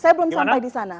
saya belum sampai di sana